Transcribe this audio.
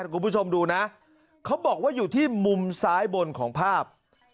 คุณผู้ชมดูนะเขาบอกว่าอยู่ที่มุมซ้ายบนของภาพ